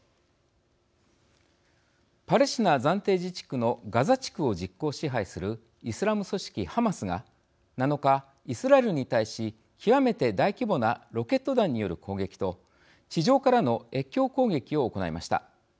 パレスチナ暫定自治区のガザ地区を実効支配するイスラム組織、ハマスが７日、イスラエルに対し極めて大規模なロケット弾による攻撃と地上からの越境攻撃を行いました。